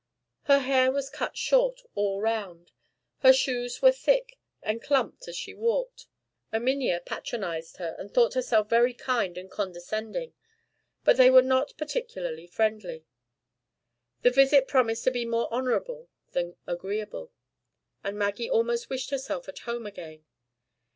Her hair was cut short all round; her shoes were thick, and clumped as she walked. Erminia patronized her, and thought herself very kind and condescending; but they were not particularly friendly. The visit promised to be more honorable than agreeable, and Maggie almost wished herself at home again.